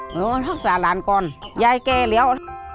มารักษาร้านก่อนยายแก่แล้ว